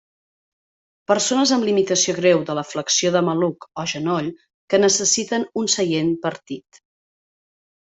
Persones amb limitació greu de la flexió de maluc o genoll que necessiten un seient partit.